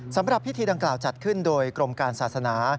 สำหรับพิธีดังกล่าวจัดขึ้นโดยกรมการศาสนา